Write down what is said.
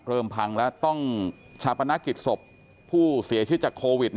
เริ่มพังแล้วต้องชาติพนักกิจหลักบาทกษบผู้เสียชิดจากโควิด